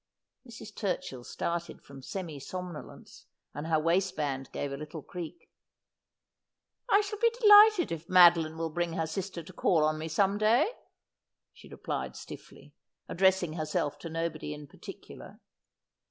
Mrs. Turchill started from semi somnolence, and her waist band gave a little creak. ' I shall be delighted if Madoline will bring her sister to call on me some day,' she replied stiffly, addressing herself to nobody in particular.